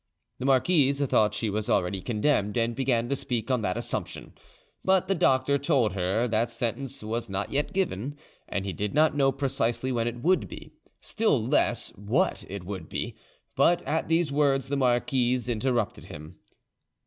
The marquise thought she was already condemned, and began to speak on that assumption; but the doctor told her that sentence was not yet given, and he did not know precisely when it would be, still less what it would be; but at these words the marquise interrupted him.